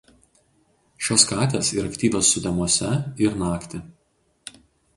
Šios katės yra aktyvios sutemose ir naktį.